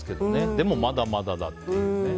でも、まだまだだっていうね。